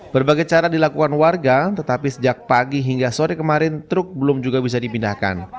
berbagai cara dilakukan warga tetapi sejak pagi hingga sore kemarin truk belum juga bisa dipindahkan